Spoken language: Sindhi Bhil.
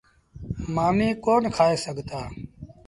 مآݩيٚ ڪون کآئي سگھتآ۔